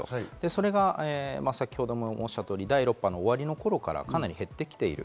それが先ほどもおっしゃるように第６波の終わりからかなり減ってきている。